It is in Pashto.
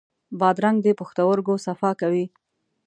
بادرنګ د پښتورګو صفا کوي.